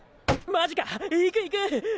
マジか行く行く！